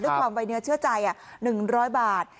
ด้วยความใบเนื้อเชื่อใจ๑๐๐บาท